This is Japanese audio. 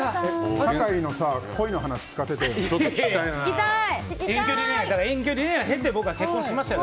酒井の恋の話、聞かせてよ。